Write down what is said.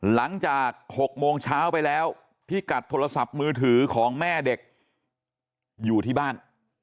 หลังจาก๖โมงเช้าไปแล้วพี่กัดโทรศัพท์มือถือของแม่เด็กอยู่ที่บ้าน